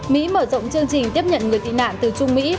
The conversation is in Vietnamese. mỹ mở rộng chương trình tiếp nhận người tị nạn từ trung mỹ